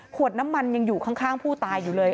ขวดน้ำมันยังอยู่ข้างผู้ตายอยู่เลย